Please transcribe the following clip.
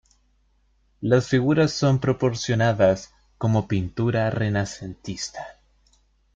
Las figuras son proporcionadas, como pintura renacentista.